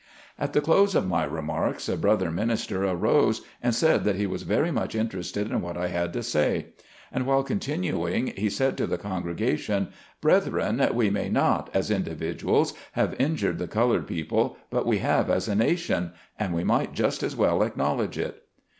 At the close of my remarks a brother minister arose, and said that he was very much interested in what I had to say. And while continuing he said to the congregation: "Brethren, we may not, as individuals, have injured the colored people, but we have as a nation, and we might just as well acknowl edge it."